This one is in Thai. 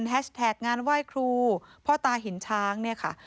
แท็กงานไหว้ครูพ่อตาหินช้างเนี่ยค่ะ